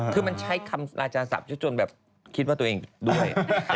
คือมันใช้คำอาจารย์สับชุดจนแบบคิดว่าตัวเองด้วย